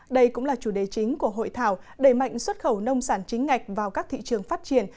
đây cũng là chủ đề chính của hội thảo đẩy mạnh xuất khẩu nông sản chính ngạch vào các thị trường phát triển